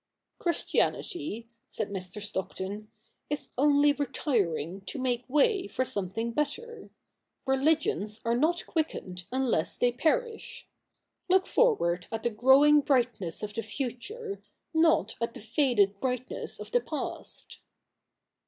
' Christianity,' said i\Ir. Stockton, ' is only retiring to make way for something better. Rehgions are not quickened unless they perish. Look forward at the growing brightness of the future, not at the faded bright ness of the past.'